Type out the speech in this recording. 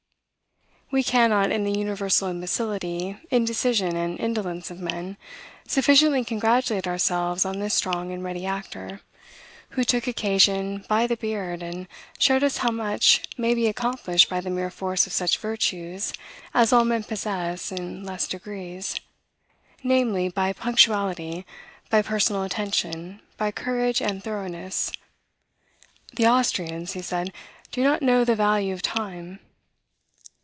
We cannot, in the universal imbecility, indecision, and indolence of men, sufficiently congratulate ourselves on this strong and ready actor, who took occasion by the beard, and showed us how much may be accomplished by the mere force of such virtues as all men possess in less degrees; namely, by punctuality, by personal attention, by courage, and thoroughness. "The Austrians," he said, "do not know the value of time."